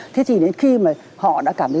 thế thì đến khi mà họ đã cảm thấy